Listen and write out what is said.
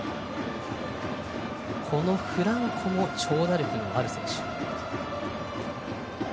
フランコも長打力のある選手。